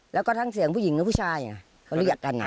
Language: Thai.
แล้วก็ทั้งเสียงผู้หญิงและผู้ชายน่ะเขาเรียกกันน่ะ